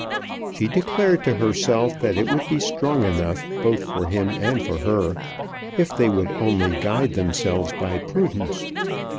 She declared to herself that it would be strong enough both for him, and for her, if they would only guide themselves by prudence.